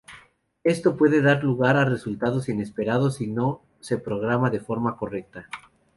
Esto puede dar lugar a resultados inesperados si no se programa de forma correcta.